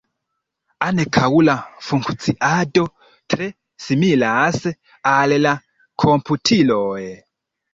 Ankaŭ la funkciado tre similas al la komputiloj.